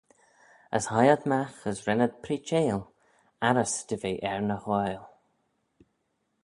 As hie ad magh, as ren ad preaçheil, arrys dy ve er ny ghoaill.